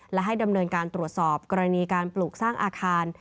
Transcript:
และให้ดำเนินการตรวจสอบกรณีการปลูกสร้างอาคาร